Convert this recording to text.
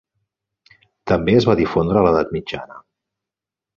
També es va difondre a l'edat mitjana.